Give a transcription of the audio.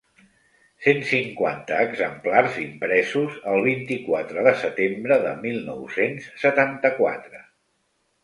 Cent cinquanta exemplars impresos el vint-i-quatre de setembre de mil nou-cents setanta-quatre.